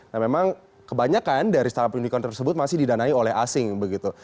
nah memang kebanyakan dari startup unicorn tersebut masih didanai oleh asing begitu